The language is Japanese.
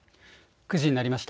９時になりました。